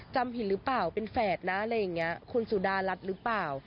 จำผิดหรือเปล่าเป็นแฝดนะอะไรอย่างนี้คุณสุดารัฐหรือเปล่า